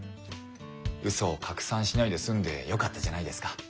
ウソを拡散しないで済んでよかったじゃないですか。